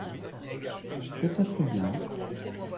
Peut-être bien.